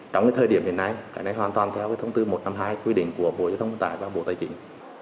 trong thời điểm hiện nay cái này hoàn toàn theo thông tư một trăm năm mươi hai quy định của bộ giao thông vận tải và bộ tài chính